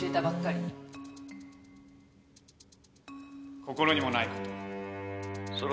「心にもないことを」